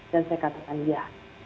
dan saya katakan ya